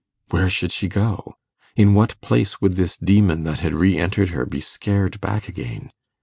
Where should she go? In what place would this demon that had re entered her be scared back again?